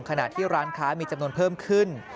ขณะที่ร้านค้ามีจำนวนเพิ่มขึ้น